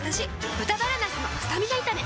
「豚バラなすのスタミナ炒め」